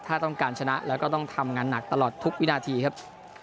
ถ้าต้องการชนะแล้วก็ต้องทำงานหนักตลอดทุกวินาทีครับ